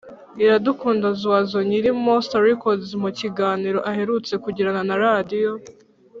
iradukunda zizou nyiri monster records mu kiganiro aherutse kugirana na radio